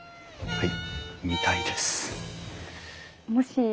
はい。